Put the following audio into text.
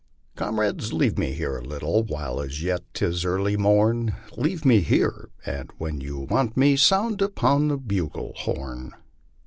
Comrades, leave me here a little, while as yet 'tis early morn ; Leave me here, and when you want me, sound upon the bugle horn.